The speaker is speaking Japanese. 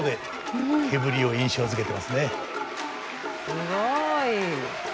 すごい。